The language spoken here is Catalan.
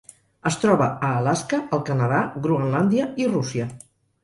Es troba a Alaska, el Canadà, Groenlàndia i Rússia.